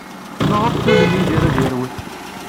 Maɣef tullem Yidir ad yerwel?